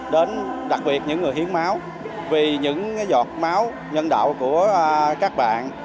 đến đặc biệt những người hiến máu vì những giọt máu nhân đạo của các bạn